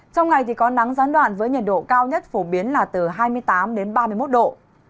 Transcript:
trong ngày thì có nắng gián đoạn với nhiệt độ cao nhất phổ biến là từ hai mươi tám đến ba mươi một độ